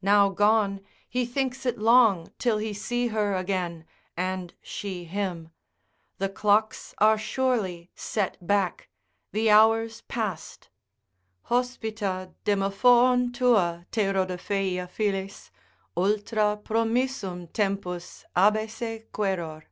Now gone, he thinks it long till he see her again, and she him, the clocks are surely set back, the hour's past, Hospita Demophoon tua te Rodopheia Phillis, Ultra promissum tempus abesse queror.